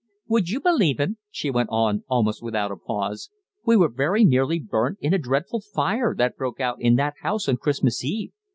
"Would you believe it," she went on almost without a pause, "we were very nearly burnt in a dreadful fire that broke out in that house on Christmas Eve.